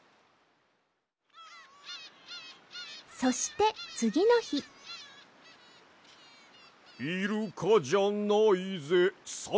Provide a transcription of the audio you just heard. そしてつぎのひ「イルカじゃないぜさめなのさ」